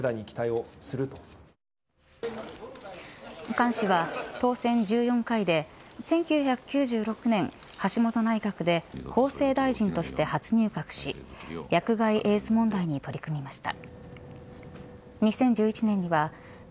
菅氏は、当選１４回で１９９６年、橋本内閣で厚生大臣として初入閣し薬害エイズ問題に取り組みました。